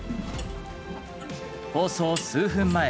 放送数分前。